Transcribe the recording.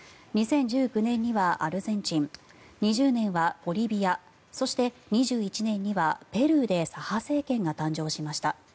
２０１９年にはアルゼンチン２０年はボリビアそして２１年にはペルーで左派政権が誕生しました。